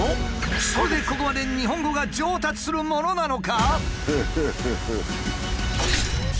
それでここまで日本語が上達するものなのか？